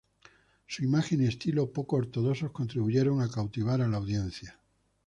Su imagen y estilo, poco ortodoxos, contribuyeron a cautivar a la audiencia.